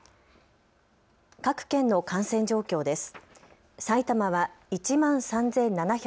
各県の感染状況です。